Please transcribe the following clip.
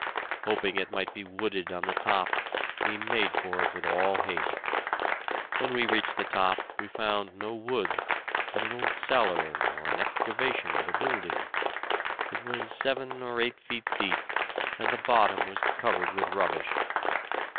Hoping it might be wooded on the top, we made for it with all haste. When we reached the top we found no woods, but an old cellar or an excavation of a building. It was seven or eight feet deep, and the bottom was covered with rubbish.